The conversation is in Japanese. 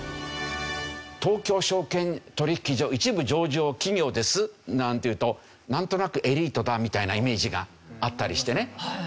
「東京証券取引所一部上場企業です」なんていうとなんとなくエリートだみたいなイメージがあったりしてね。